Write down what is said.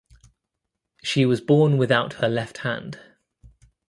She was born without her left hand.